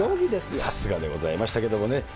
さすがでございましたけれどもね。